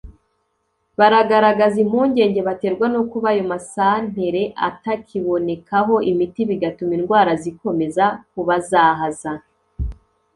baragaragaza impungenge baterwa no kuba ayo masantere atakibonekaho imiti bigatuma indwara zikomeza kubazahaza